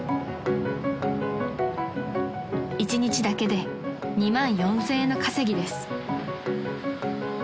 ［一日だけで２万４，０００円の稼ぎです］